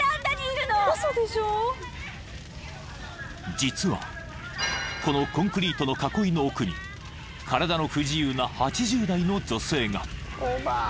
［実はこのコンクリートの囲いの奥に体の不自由な８０代の女性が］